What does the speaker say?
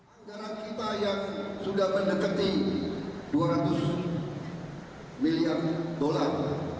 anggaran kita yang sudah mendekati dua ratus miliar dolar